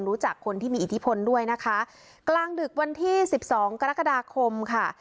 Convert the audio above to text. รู้จักคนที่มีอิทธิพลด้วยนะคะกลางดึกวันที่สิบสองกรกฎาคมค่ะ